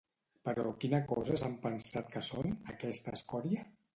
Però quina cosa s'han pensat que són, aquesta escòria?